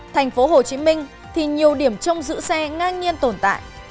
thành phố hồ chí minh thì nhiều điểm trong giữ xe ngang nhiên tồn tại